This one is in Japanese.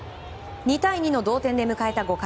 ２対２の同点で迎えた５回。